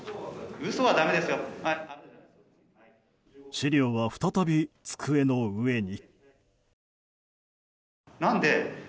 資料は再び机の上に。